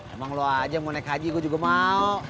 emang lo aja mau naik haji gue juga mau